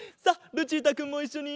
ルチータくんもいっしょに！